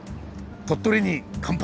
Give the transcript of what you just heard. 鳥取に乾杯！